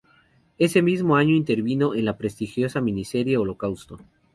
Ese mismo año intervino en la prestigiosa miniserie "Holocausto".